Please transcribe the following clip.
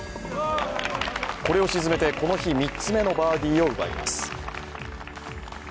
これを沈めて、この日、３つ目のバーディーを奪います。